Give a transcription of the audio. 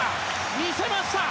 見せました！